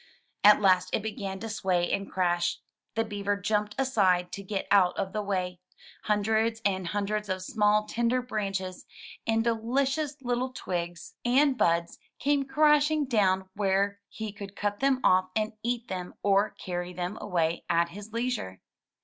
At last it began to sway and crash. The Beaver jumped aside to get out of the way. Hundreds and hundreds of small, tender branches, and delicious little twigs and 121 M Y BOOK HOUSE buds came crashing down where he could cut them off and eat them or carry them away at his leisure.